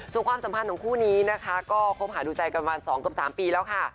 ส่วนความสัมพันธ์ของคู่นี้นะคะก็คบหาดูใจกันมา๒กับ๓ปีแล้วค่ะ